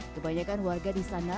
kebanyakan warga di sana